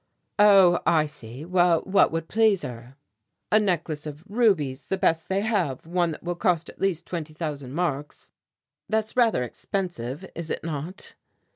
"Oh, I see. Well, what would please her?" "A necklace of rubies, the best they have, one that will cost at least twenty thousand marks." "That's rather expensive, is it not?"